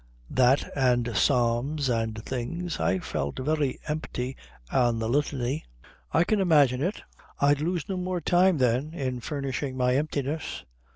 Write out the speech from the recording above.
"That and Psalms and things. I felt very empty on the Litany." "I can imagine it. I'd lose no more time then in furnishing my emptiness.